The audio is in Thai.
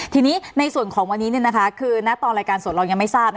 ทีนี้ในส่วนของวันนี้เนี่ยนะคะคือนักตอนรายการสดเรายังไม่ทราบนะครับ